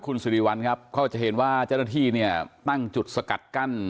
คุณสิริวัลครับเขาจะเห็นว่าเจ้าหน้าที่เนี่ยตั้งจุดสกัดกั้น